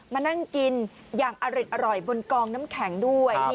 มานั่งกินอย่างอร่อยบนกองน้ำแข็งด้วย